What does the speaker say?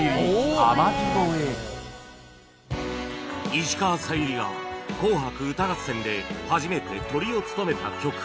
石川さゆりが『紅白歌合戦』で初めてトリを務めた曲